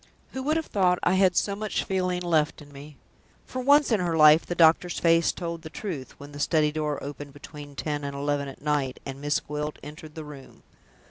"Who would have thought I had so much feeling left in me?" For once in her life the doctor's face told the truth, when the study door opened between ten and eleven at night, and Miss Gwilt entered the room.